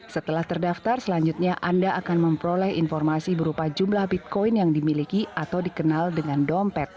setelah terdaftar selanjutnya anda akan memperoleh informasi berupa jumlah bitcoin yang dimiliki atau dikenal dengan dompet